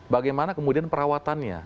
bagaimana kemudian perawatannya